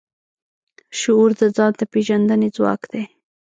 شعور د ځان د پېژندنې ځواک دی.